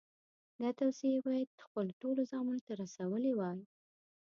دا توصیې یې باید خپلو ټولو زامنو ته رسولې وای.